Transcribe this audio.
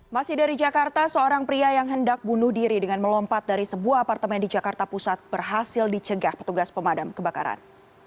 masih dari jakarta seorang pria yang hendak bunuh diri dengan melompat dari sebuah apartemen di jakarta pusat berhasil dicegah petugas pemadam kebakaran